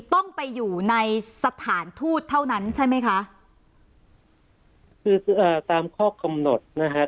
ต้องไปอยู่ในสถานทูตเท่านั้นใช่ไหมคะคือคืออ่าตามข้อกำหนดนะฮะ